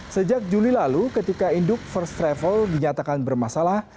sejak juli lalu ketika induk first travel dinyatakan bermasalah